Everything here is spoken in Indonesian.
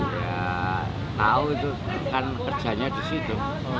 ya tahu itu kan kerjanya di situ